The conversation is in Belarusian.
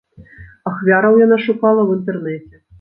Ахвяраў яна шукала ў інтэрнэце.